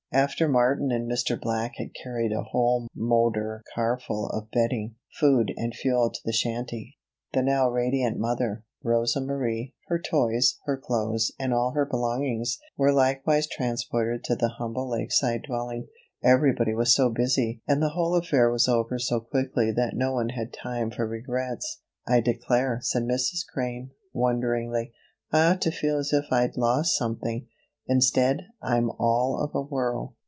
After Martin and Mr. Black had carried a whole motor carful of bedding, food and fuel to the shanty, the now radiant mother, Rosa Marie, her toys, her clothes and all her belongings, were likewise transported to the humble lakeside dwelling. Everybody was so busy and the whole affair was over so quickly that no one had time for regrets. "I declare," said Mrs. Crane, wonderingly, "I ought to feel as if I'd lost something. Instead, I'm all of a whirl."